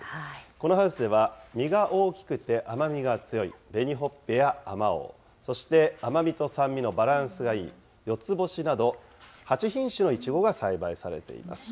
このハウスでは、実が大きくて甘みが強い紅ほっぺやあまおう、そして甘みと酸味のバランスがいいよつぼしなど、８品種のイチゴが栽培されています。